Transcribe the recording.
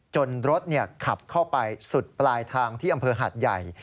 รถขับเข้าไปสุดปลายทางที่อำเภอหาดใหญ่